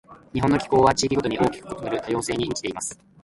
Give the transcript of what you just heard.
日本の気候は、地域ごとに大きく異なる多様性に満ちています。